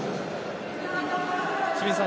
清水さん